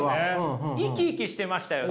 生き生きしてましたよね。